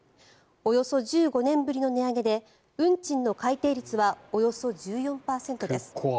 およそ１５年ぶりの値上げで運賃の改定率はおよそ１４％です。